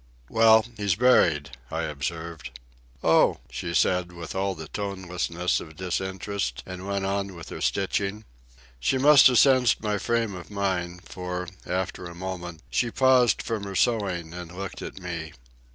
"Well, he's buried," I observed. "Oh," she said, with all the tonelessness of disinterest, and went on with her stitching. She must have sensed my frame of mind, for, after a moment, she paused from her sewing and looked at me.